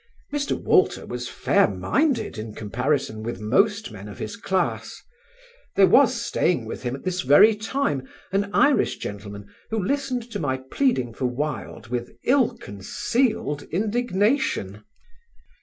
Mr. Walter was fair minded in comparison with most men of his class. There was staying with him at this very time an Irish gentleman, who listened to my pleading for Wilde with ill concealed indignation.